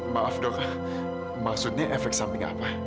maaf dok maksudnya efek sampingnya apa